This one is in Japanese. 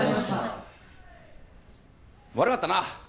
悪かったな。